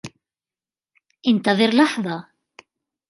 انتظر لحظة.